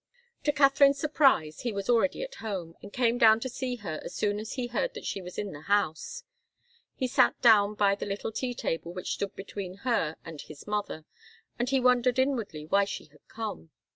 To Katharine's surprise, he was already at home, and came down to see her as soon as he heard that she was in the house. He sat down by the little tea table which stood between her and his mother, and he wondered inwardly why she had come.